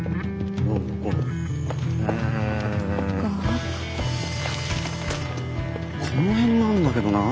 うんこの辺なんだけどなあ。